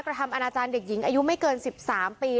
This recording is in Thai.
กระทำอนาจารย์เด็กหญิงอายุไม่เกิน๑๓ปี